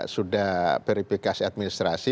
sudah verifikasi administrasi